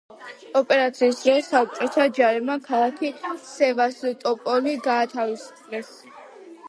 ოპერაციის დროს საბჭოთა ჯარებმა ქალაქი სევასტოპოლი გაათავისუფლეს.